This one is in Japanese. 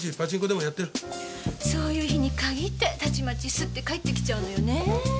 そういう日に限ってたちまちすって帰ってきちゃうのよね。